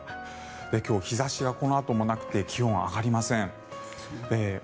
今日、日差しがこのあともなくて気温、上がりません。